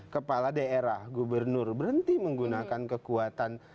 kepala daerah gubernur berhenti menggunakan kekuatan